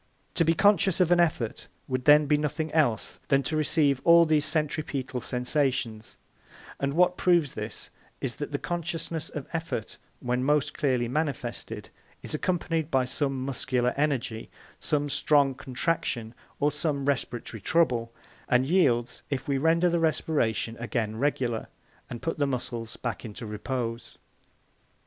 To be conscious of an effort would then be nothing else than to receive all these centripetal sensations; and what proves this is, that the consciousness of effort when most clearly manifested is accompanied by some muscular energy, some strong contraction, or some respiratory trouble, and yields if we render the respiration again regular and put the muscles back into repose.